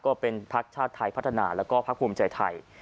ก็เป็นพักชาติไทยพัฒนาแล้วก็พักภูมิใจไทย